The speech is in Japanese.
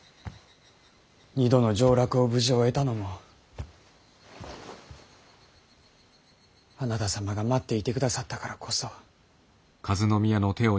２度の上洛を無事終えたのもあなた様が待っていてくださったからこそ。